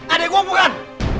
adek gue bukan